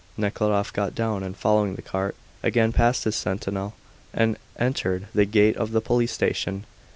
Nekhludoff got down and, following the cart, again passed the sentinel and entered the gate of the police station.